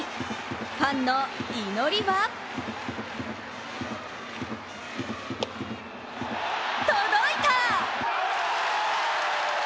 ファンの祈りは届いた！